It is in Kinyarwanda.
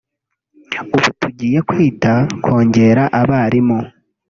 ubu tugiye kwita kongera abarimu